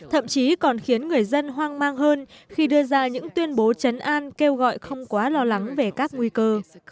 thậm chí còn khiến người dân hoang mang hơn khi đưa ra những tuyên bố chấn an kêu gọi không quá lo lắng về các nguy cơ